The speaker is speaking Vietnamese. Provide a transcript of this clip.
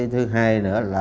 thứ hai nữa là